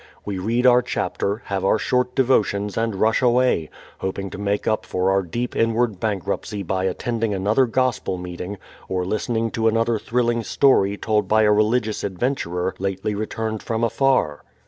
We read our chapter, have our short devotions and rush away, hoping to make up for our deep inward bankruptcy by attending another gospel meeting or listening to another thrilling story told by a religious adventurer lately returned from afar.